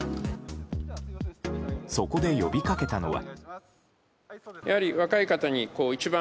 そこで呼びかけたのは。